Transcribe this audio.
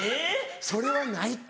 それはないって。